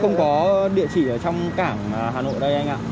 không có địa chỉ ở trong cảng hà nội đây anh ạ